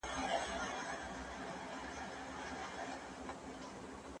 ته پکې سوزې او زه هم پکې درسره سوزم.